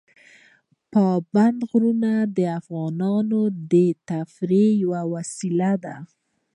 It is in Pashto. پابندی غرونه د افغانانو د تفریح یوه وسیله ده.